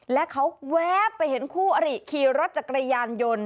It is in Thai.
และเขาแวบไปเห็นคู่อริขี่รถจักรยานยนต์